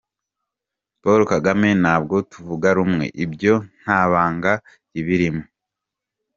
Paul Kagame ntabwo tuvuga rumwe, ibyo nta banga ribirimo.